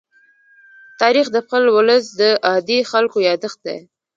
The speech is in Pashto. تاریخ د خپل ولس د عادي خلکو يادښت دی.